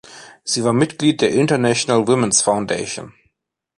Sie war Mitglied der International Women's Foundation.